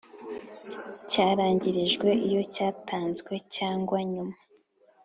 Cyarangirijwe iyo cyatanzwe cyangwa nyuma